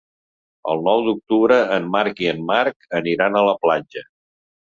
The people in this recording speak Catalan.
El nou d'octubre en Marc i en Marc aniran a la platja.